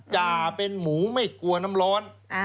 อย่าเป็นหมูไม่กลัวน้ำร้อน